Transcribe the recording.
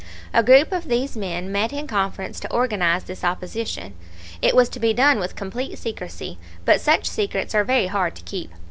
A group of these men met in conference to organize this opposition. It was to be done with complete secrecy. But such secrets are very hard to keep.